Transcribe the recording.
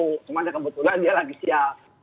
cuma ada yang kebetulan dia lagi sial